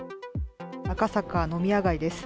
赤坂飲み屋街です。